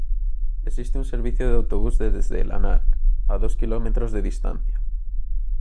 Existe un servicio de autobús desde Lanark, a dos kilómetros de distancia.